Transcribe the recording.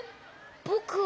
ぼくは。